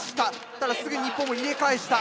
ただすぐに日本も入れ返した。